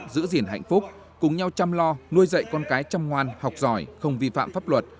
giữ gìn hạnh phúc cùng nhau chăm lo nuôi dạy con cái chăm ngoan học giỏi không vi phạm pháp luật